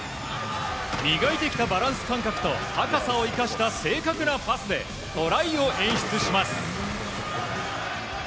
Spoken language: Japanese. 磨いてきたバランス感覚と高さを生かした正確なパスでトライを演出します。